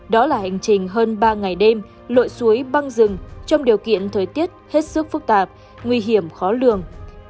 đó là hành trình hơn ba ngày đêm lội suối băng rừng trong điều kiện thời tiết hết sức phức tạp nguy hiểm khó lường